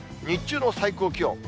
日中の最高気温。